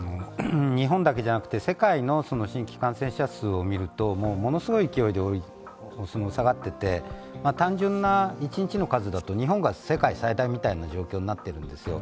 日本だけじゃなくて、世界の新規感染者数を見るとものすごい勢いで下がっていて、単純な一日の数だと日本が世界最大みたいな状況になっているんですよ。